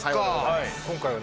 今回は。